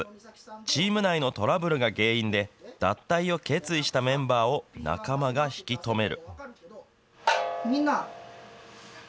チーム内のトラブルが原因で、脱退を決意したメンバーを、仲間が引き止める。